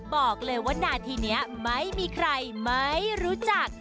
บอกเลยว่านาทีนี้ไม่มีใครไม่รู้จัก